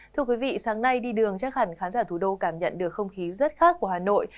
thưa quý vị sáng nay đi đường chắc hẳn khán giả thủ đô cảm nhận được không khí rất khác của hà nội